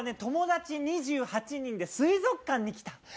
友達２８人で水族館に来た。